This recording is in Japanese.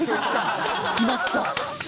決まった。